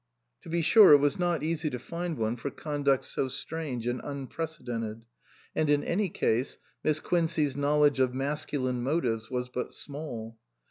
To be sure it was not easy to find one for conduct so strange and unpre cedented, and in any case Miss Quincey's know ledge of masculine motives was but small.